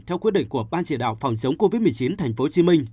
theo quyết định của ban chỉ đạo phòng chống covid một mươi chín tp hcm